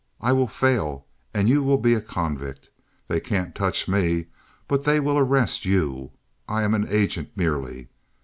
'I will fail and you will be a convict. They can't touch me, but they will arrest you. I am an agent merely.